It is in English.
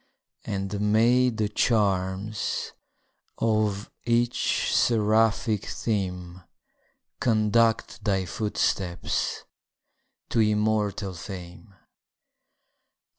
And may the charms of each seraphic theme Conduct thy footsteps to immortal fame!